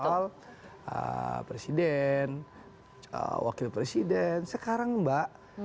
jadi saya ingin mengingatkan kepada presiden wakil presiden sekarang mbak